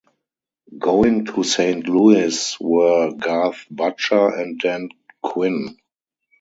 Going to Saint Louis were Garth Butcher and Dan Quinn.